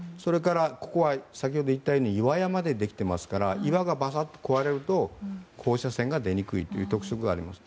ここは先ほど言ったように岩山でできていますから岩がバサッと壊れると放射線が出にくいという特徴があります。